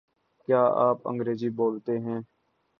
کیا آپ انگریزی بولتے ہیں؟